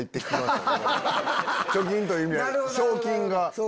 貯金というか賞金が。